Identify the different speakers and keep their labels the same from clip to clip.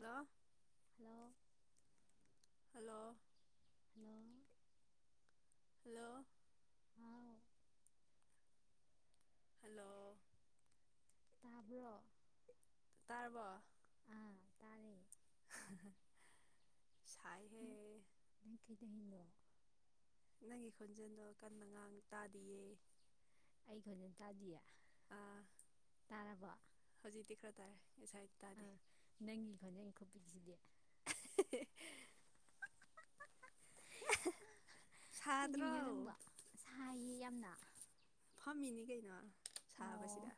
Speaker 1: hello
Speaker 2: hello
Speaker 1: hello
Speaker 2: ꯅꯣꯡ
Speaker 1: hello hello
Speaker 2: ꯇꯥꯕ꯭ꯔꯣ
Speaker 1: ꯇꯔꯔꯕ
Speaker 2: ꯑꯥ ꯇꯥꯔꯦ ꯀꯩꯗ
Speaker 1: ꯅꯪꯒꯤ ꯈꯣꯟꯖꯦꯜꯗꯣ ꯀꯟ ꯉꯥꯡ ꯇꯥꯗꯤꯌꯦ
Speaker 2: ꯑꯩ ꯈꯣꯟꯖꯦꯜ ꯇꯥꯗꯤꯌꯦ
Speaker 1: ꯑꯥ
Speaker 2: ꯇꯥꯔꯕꯣ ꯑꯥ
Speaker 1: ꯍꯧꯖꯤꯛꯇꯤ ꯈꯔ ꯇꯥꯔꯦ ꯉꯁꯥꯏ ꯇꯥꯗꯦ
Speaker 2: ꯅꯪꯒꯤ ꯈꯣꯟꯖꯦꯜ ꯈꯨꯞꯄꯤꯁꯤꯗꯤ
Speaker 1: ꯁꯥꯗ꯭ꯔꯣ
Speaker 2: ꯀꯩꯅꯣꯅꯣ ꯅꯪꯕ ꯁꯥꯏꯌꯦ ꯌꯥꯝꯅ
Speaker 1: ꯐꯝꯃꯤꯅꯤ ꯀꯩꯅ
Speaker 2: ꯑꯣ
Speaker 1: ꯁꯥꯕꯁꯤꯗ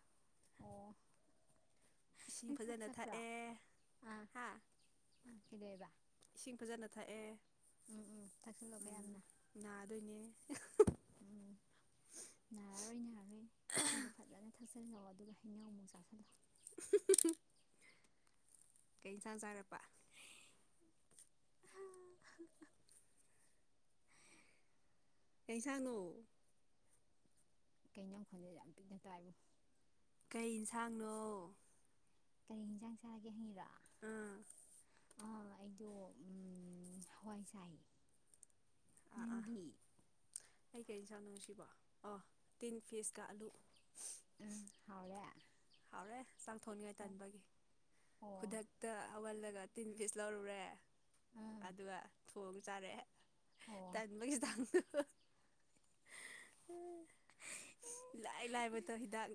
Speaker 2: ꯑꯣ
Speaker 1: ꯏꯁꯤꯡ
Speaker 2: ꯅꯪ ꯊꯕꯛ
Speaker 1: ꯐꯖꯅ
Speaker 2: ꯆꯠꯄ꯭ꯔꯣ
Speaker 1: ꯊꯛꯑꯦ ꯍꯥ
Speaker 2: ꯑ ꯁꯤꯗꯦꯕ
Speaker 1: ꯏꯁꯤꯡ ꯐꯖꯅ ꯊꯛꯑꯦ
Speaker 2: ꯎꯝ ꯎꯝ ꯊꯛꯆꯜꯂꯣꯀꯣ
Speaker 1: ꯎꯝ
Speaker 2: ꯌꯥꯝꯅ
Speaker 1: ꯅꯅꯥꯗ ꯑꯣꯏꯅꯅꯦ
Speaker 2: ꯎꯝ ꯅꯥꯔꯔꯣꯏ ꯅꯥꯔꯔꯣꯏ ꯏꯁꯤꯡꯗꯣ ꯐꯖꯅ ꯊꯛꯆꯜꯂꯛꯑꯣ ꯑꯗꯨꯒ ꯍꯩꯅꯎ ꯑꯃꯨꯛ ꯆꯥꯁꯤꯜꯂꯛꯑꯣ
Speaker 1: [inaudible] ꯀꯩ ꯏꯟꯁꯥꯡ ꯆꯥꯔꯛꯄ
Speaker 2: [inaudible]
Speaker 1: ꯀꯩꯁꯥꯡꯅꯣ
Speaker 2: ꯀꯩꯅ ꯈꯣꯟꯗꯦ ꯌꯥꯝ ꯄꯤꯛꯅ ꯇꯥꯏꯕꯨ
Speaker 1: ꯀꯩ ꯌꯦꯟꯁꯥꯡꯅꯣ
Speaker 2: ꯀꯔꯤ ꯌꯦꯟꯖꯥꯡ ꯆꯥꯔꯒꯦ ꯍꯪꯤꯔꯑꯣ
Speaker 1: ꯑꯥ
Speaker 2: ꯑꯩꯗꯣ ꯍꯋꯥꯏꯖꯥꯏ
Speaker 1: ꯑꯥ ꯑꯥ
Speaker 2: ꯅꯪꯗꯤ
Speaker 1: ꯑꯩ ꯀꯩ ꯁꯥꯅꯨꯁꯤꯕꯣ ꯑ ꯇꯤꯟ ꯄꯤꯁꯀ ꯑꯂꯨ
Speaker 2: ꯎꯝ ꯍꯅꯦꯦ
Speaker 1: ꯍꯥꯎꯔꯦ ꯆꯥꯛꯊꯣꯛꯅꯤꯉꯥꯏ ꯇꯟꯕꯒꯤ
Speaker 2: ꯑꯣ
Speaker 1: ꯈꯨꯗꯛꯇ ꯑꯋꯥꯜꯂꯒ ꯇꯤꯟ ꯀꯁ ꯂꯧꯔꯨꯔꯦ
Speaker 2: ꯎꯝ
Speaker 1: ꯑꯗꯨꯒ ꯈꯨꯣꯝ ꯆꯥꯔꯛꯑꯦ
Speaker 2: ꯑꯣ
Speaker 1: ꯇꯥꯟ ꯃ ꯊꯪ ꯂꯥꯏ ꯂꯥꯏꯕꯗꯣ ꯍꯤꯗꯥꯛ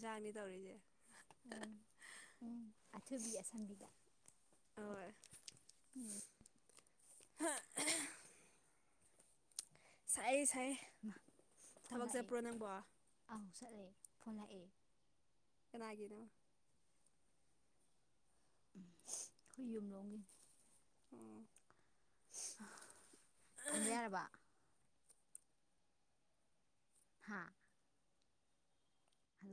Speaker 1: ꯖꯥꯅꯤ ꯇꯧꯔꯤꯁꯦ
Speaker 2: ꯎ ꯎꯝ ꯑꯥꯕꯤ ꯑꯁꯥꯟꯕꯤꯗꯥꯝ
Speaker 1: ꯍꯣꯏ [inaudible] ꯁꯥꯏ ꯐꯩ ꯊꯕꯛ ꯆꯠꯄ꯭ꯔꯣ ꯅꯪꯕꯣ
Speaker 2: ꯁꯠꯂꯦ ꯐꯣꯂꯛꯑꯦ
Speaker 1: ꯆꯅꯥꯅ
Speaker 2: ꯌꯨꯝꯂꯣꯡꯏꯤ
Speaker 1: ꯎ
Speaker 2: ꯊꯝꯕ ꯌꯥꯔꯕ ꯍꯥ ꯍꯜꯂꯣ